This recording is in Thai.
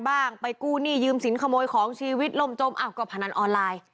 อย่างไปกู้หนี้ยืมสินขโมยของชีวิตลมจมอับกับภาพนั้นออนไลน์